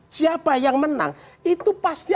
siapa yang menang itu pasti